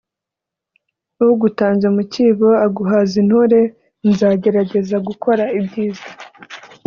ugutanze mu kibo aguhaza intore nzagerageza gukora ibyiza